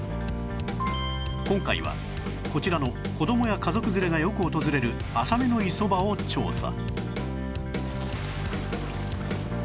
今回はこちらの子供や家族連れがよく訪れる浅めの磯場を調査